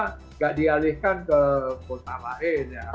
tidak dialihkan ke kota lain ya